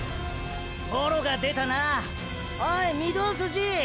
ボロが出たなおい御堂筋。